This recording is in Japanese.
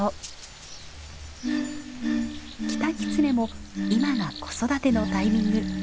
キタキツネも今が子育てのタイミング。